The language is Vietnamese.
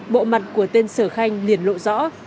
bộ mặt của tên sở khanh liền lộ rõ